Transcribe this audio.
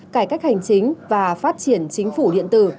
cải cách hành chính và phát triển chính phủ điện tử